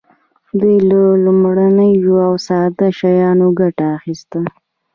دوی له لومړنیو او ساده شیانو ګټه اخیسته.